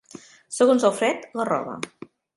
Segons el fred, la roba.